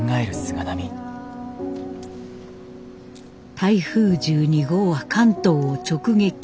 台風１２号は関東を直撃。